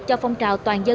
cho phong trào toàn dân